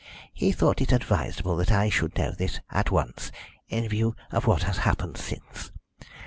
He thought it advisable that I should know this at once, in view of what has happened since.